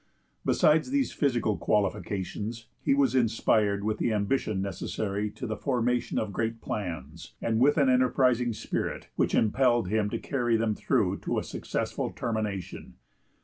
Beside these physical qualifications, he was inspired with the ambition necessary to the formation of great plans, and with an enterprising spirit which impelled him to carry them through to a successful termination.